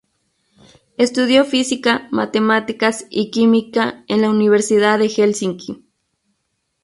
Estudió física, matemáticas y química en la Universidad de Helsinki.